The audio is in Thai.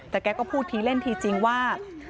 แต่แกก็พูดทีเล่นทีจริงว่า